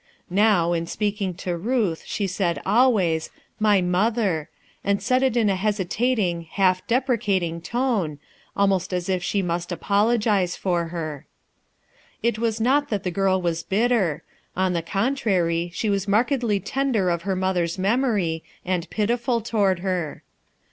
Now in speaking to Ruth, she said always: "My mother/' and said it in a hesitating, hatf.^ recating tone, almost as if she must apologize for her. It was not that the girl was hitter; on the contrary she Was markedly tender of her mother's memory and pitiful toward her.